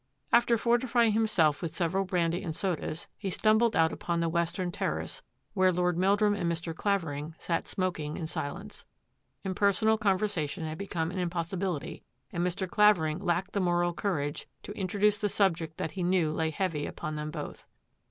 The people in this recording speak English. '' After fortifying himself with several brandy and sodas, he stumbled out upon the western ter race where Lord Meldrum and Mr. Clavering sat smoking in silence. Impersonal conversation had become an impossibility, and Mr. Clavering lacked the moral courage to introduce the subject that he knew lay heavy upon them both.